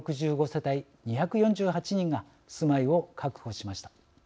世帯２４８人が住まいを確保しました。